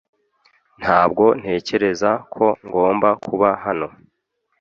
Ntabwo ntekereza ko ngomba kuba hano